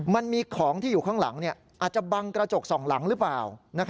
มันมีของที่อยู่ข้างหลังอาจจะบังกระจกสองหลังหรือเปล่า